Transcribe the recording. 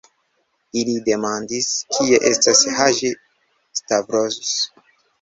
Ili demandis, kie estas Haĝi-Stavros.